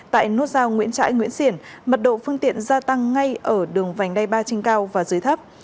tại nút giao nguyễn trãi nguyễn xiển mật độ phương tiện gia tăng ngay ở đường vành đai ba trên cao và dưới thấp